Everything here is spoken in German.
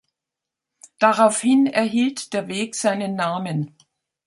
Daraufhin erhielt der Weg seinen Namen.